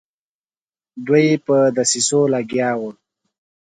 دوی په دسیسو لګیا وه.